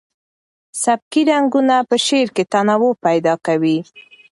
سبکي رنګونه په شعر کې تنوع پیدا کوي.